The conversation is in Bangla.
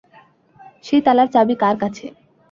সেই তালার চাবি কার কাছে?